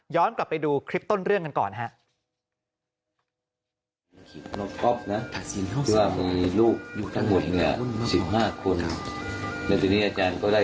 กลับไปดูคลิปต้นเรื่องกันก่อนครับ